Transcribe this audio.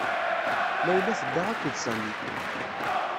Layla tedda akked Sami.